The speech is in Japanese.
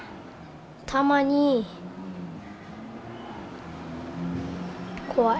たまに怖い。